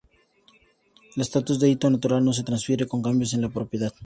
El estatus de hito natural no se transfiere con cambios en la propiedad.